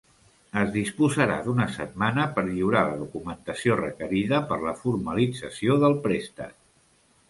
Es disposarà d'una setmana per lliurar la documentació requerida per la formalització del préstec.